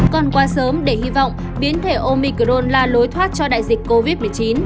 còn quá sớm để hy vọng biến thể omicron là lối thoát cho đại dịch covid một mươi chín